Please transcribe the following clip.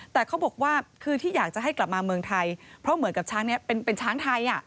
แต่เขาบอกว่าคือที่อยากจะให้กลับมาเมืองไทยเพราะเหมือนกับช้างนี้เป็นช้างไทย